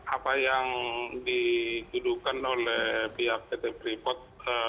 apa yang didudukan oleh pihak pt freeport